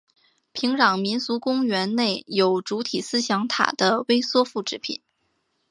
平壤民俗公园内有主体思想塔的微缩复制品。